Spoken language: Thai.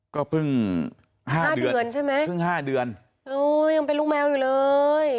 ก็เพิ่ง๕เดือนเพิ่ง๕เดือนโอ้ยยังเป็นลูกแมวอยู่เลย